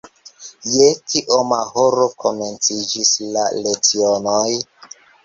Je kioma horo komenciĝis la lecionoj?